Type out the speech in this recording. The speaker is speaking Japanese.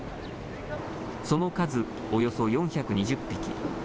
その数、およそ４２０匹。